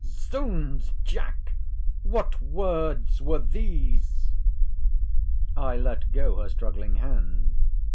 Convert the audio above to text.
—Zounds, Jack! what words were these! I let go her struggling hand.